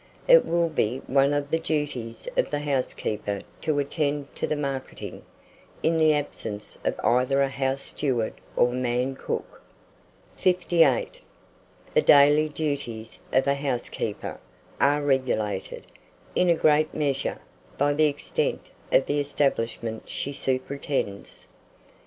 It will be one of the duties of the housekeeper to attend to the marketing, in the absence of either a house steward or man cook. 58. THE DAILY DUTIES OF A HOUSEKEEPER are regulated, in a great measure, by the extent of the establishment she superintends.